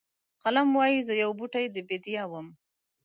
قلم وایي زه یو بوټی د بیدیا وم.